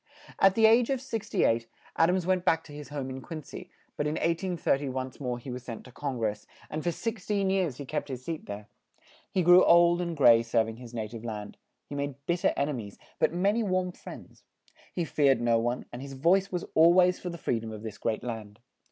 At the age of six ty eight, Ad ams went back to his home in Quin cy, but in 1830 once more he was sent to Con gress, and for six teen years he kept his seat there; he grew old and gray serv ing his na tive land; he made bit ter en e mies, but ma ny warm friends; he feared no one, and his voice was al ways for the free dom of this great land.